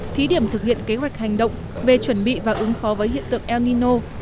thí điểm thực hiện kế hoạch hành động về chuẩn bị và ứng phó với hiện tượng el nino